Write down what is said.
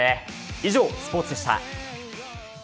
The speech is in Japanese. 以上、スポーツでした。